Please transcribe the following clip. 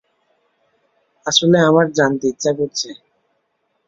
আসলে, আমার জানতে ইচ্ছা করছে।